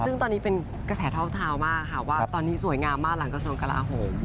ซึ่งตอนนี้เป็นกระแสเท่าทาวมากค่ะว่าตอนนี้สวยงามมากหลังกระทรวงกลาโหม